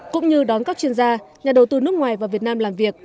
cũng như đón các chuyên gia nhà đầu tư nước ngoài và việt nam làm việc